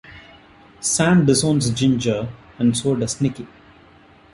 Sam disowns Ginger, and so does Nicky.